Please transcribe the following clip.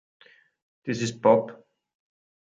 This Is Pop?